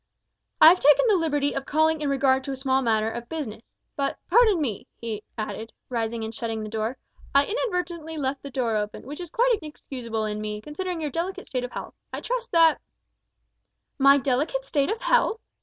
"I have taken the liberty of calling in regard to a small matter of business but pardon me," he added, rising and shutting the door, "I inadvertently left the door open, which is quite inexcusable in me, considering your delicate state of health. I trust that " "My delicate state of health!"